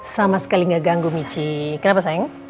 sama sekali nggak ganggu michi kenapa sayang